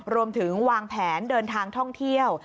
รวมถึงวางแผนเดินทางท่องเที่ยว